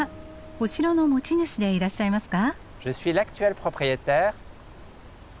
お城の持ち主でいらっしゃいますか？